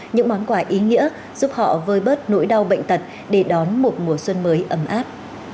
những món quà ý nghĩa giúp họ vơi bớt nỗi đau bệnh tật để đón một mùa xuân mới ấm áp